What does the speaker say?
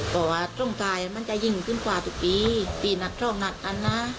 บอกว่าตรงทายมันจะยิ่งขึ้นขวาทุกปีตีนัดทร่องนัดอันน่ะ